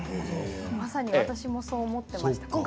まさに私もそう思ってました。